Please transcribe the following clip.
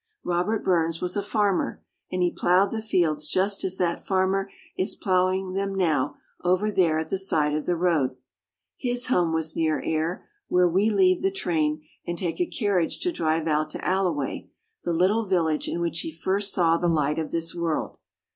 Robert Burns was a farmer, and he plowed the fields just as that farmer is plowing them now over there at the side of the road. His home was near Ayr, where we leave the train and take a carriage to drive out to Alloway, the little village in which he first saw the light of this world.